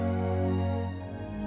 aku tak tahu kenapa